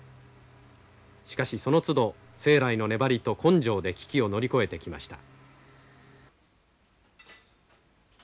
しかしそのつど生来の粘りと根性で危機を乗り越えてきました。